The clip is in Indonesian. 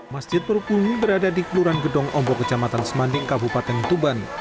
masjid perut bumi berada di keluran gedong ombok kecamatan semanding kabupaten tuban